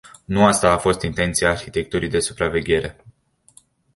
Nu asta a fost intenția arhitecturii de supraveghere.